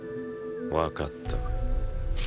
わかった。